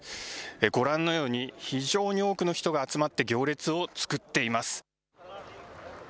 ご覧のように、非常に多くの人が集まって、行列を作っています。